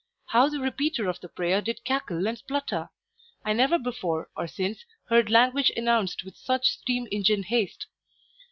How the repeater of the prayer did cackle and splutter! I never before or since heard language enounced with such steam engine haste.